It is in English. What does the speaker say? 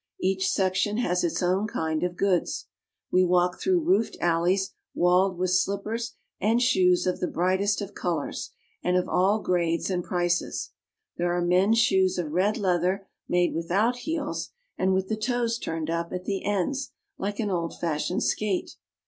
Each section has its own kind of goods. We walk through roofed alleys walled with slippers and shoes of the brightest of colors, and of all grades and prices. There are men's shoes of red leather made without heels, and with the toes turned up at the ends like an old fashioned skate.